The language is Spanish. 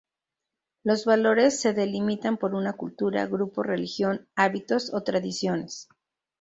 Los valores se delimitan por una cultura, grupo, religión, hábitos o tradiciones.